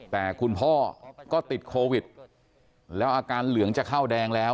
แต่คุณพ่อก็ติดโควิดแล้วอาการเหลืองจะเข้าแดงแล้ว